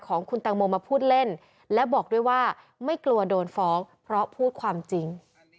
ของคุณแตงโมมาพูดเล่นและบอกด้วยว่าไม่กลัวโดนฟ้องเพราะพูดความจริง